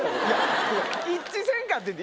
一致せんかってんて！